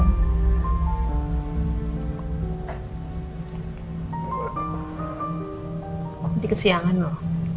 nanti kesiangan loh